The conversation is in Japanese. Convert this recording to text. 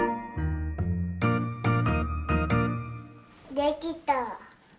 できた。